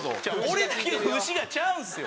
俺だけ風刺画ちゃうんすよ！